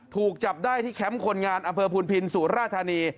ถูกจับได้ที่แคมป์คนงานอำเภอพูนพินสุราธานี